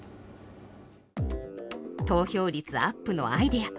投票率アップのアイデア